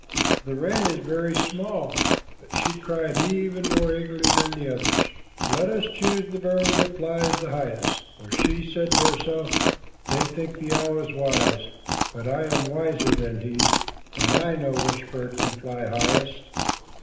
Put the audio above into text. The wren is very small, but she cried even more eagerly than the others, "Let us choose the bird that flies highest," for she said to herself, "They think the owl is wise, but I am wiser than he, and I know which bird can fly highest."